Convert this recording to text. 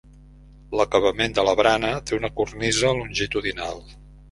L'acabament de la barana té una cornisa longitudinal.